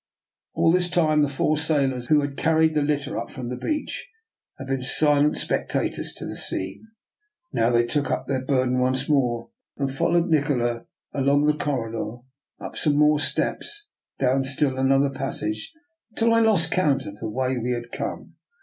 All this time the four sailors, who had car ried the litter up from the beach, had been si lent spectators of the scene. Now they took up their burden once more and followed Nikola, along the corridor, up some more steps, down still another passage, until I lost all count of the way that we had come.